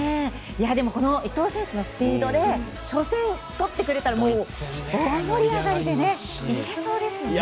伊東選手のスピードで初戦を取ってくれたら大盛り上がりでいけそうですよね。